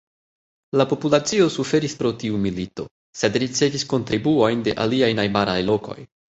La populacio suferis pro tiu milito, sed ricevis kontribuojn de aliaj najbaraj lokoj.